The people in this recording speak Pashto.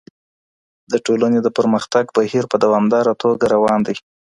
د ټولني د پرمختګ بهير په دوامداره توګه روان دی.